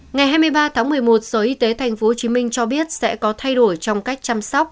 ngày hai mươi ba tháng một mươi một sở y tế tp hcm cho biết sẽ có thay đổi trong cách chăm sóc